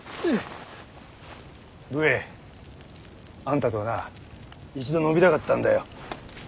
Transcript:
武衛あんたとはな一度飲みたかったんだよ。